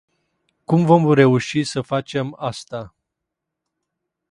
Cum vom reuși să facem asta?